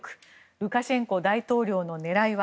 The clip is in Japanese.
ルカシェンコ大統領の狙いは？